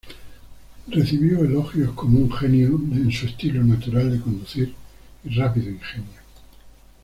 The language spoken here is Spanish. Recibió elogios como un genio en su estilo natural de conducir y rápido ingenio.